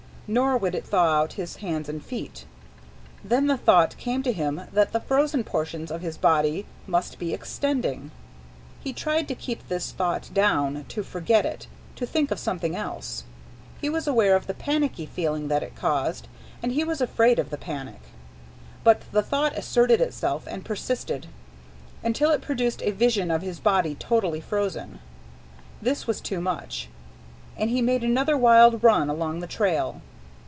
Nor would it thaw out his hands and feet. Then the thought came to him that the frozen portions of his body must be extending. He tried to keep this thought down, to forget it, to think of something else; he was aware of the panicky feeling that it caused, and he was afraid of the panic. But the thought asserted itself, and persisted, until it produced a vision of his body totally frozen. This was too much, and he made another wild run along the trail.